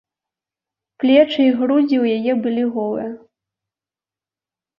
Плечы і грудзі ў яе былі голыя.